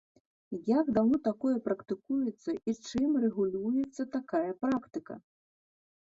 Як даўно такое практыкуецца і чым рэгулюецца такая практыка?